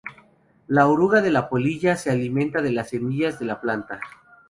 La oruga de la polilla se alimenta de las semillas de la planta.